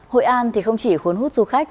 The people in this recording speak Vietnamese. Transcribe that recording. hội an thì không chỉ khốn hút du khách